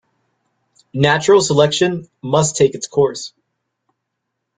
Natural selection must take its course.